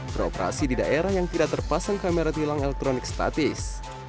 beroperasi di daerah yang tidak terpasang kamera tilang elektronik statis